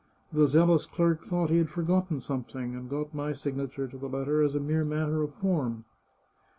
The zealous clerk thought he had forgotten something, and got my signature to the letter as a mere matter of form."